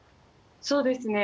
そうですね。